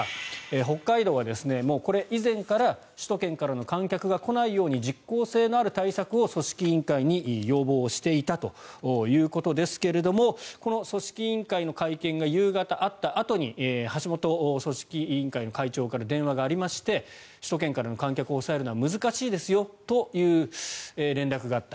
北海道は、これ以前から首都圏からの観客が来ないように実効性のある対策を組織委員会に要望していたということですがこの組織委員会の会見が夕方にあったあとに橋本組織委員会会長から電話がありまして首都圏からの観客を抑えるのは難しいですよという連絡があった。